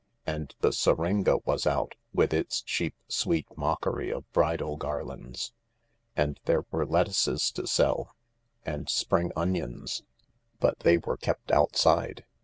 And the syringa was out, with its cheap, sweet mockery of bridal garlands. And there were lettuces to sell— and spring onions, but they were kept outside.